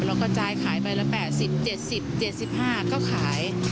เราก็จ่ายขายใบละ๘๐๗๐๗๕ก็ขาย